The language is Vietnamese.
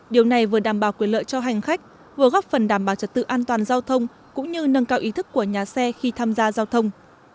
điều này vừa đảm bảo quyền lợi cho hành khách vừa góp phần đảm bảo trật tự an toàn giao thông cũng như nâng cao ý thức của nhà xe khi tham gia giao thông